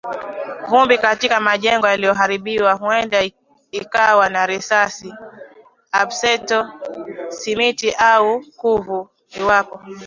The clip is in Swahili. Vumbi katika majengo yaliyoharibiwa huenda ikawa na risasi, asbesto, simiti, au kuvu. Iwapo